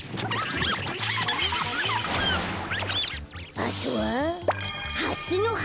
あとはハスのは！